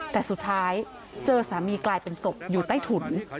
แต่สุดท้ายเจอสามีกลายเป็นศพอยู่ใต้ถุน